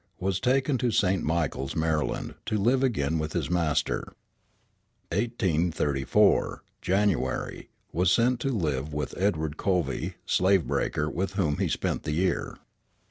_ Was taken to St. Michaels, Maryland, to live again with his master. 1834 January. Was sent to live with Edward Covey, slave breaker, with whom he spent the year.